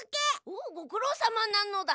おおごくろうさまなのだ。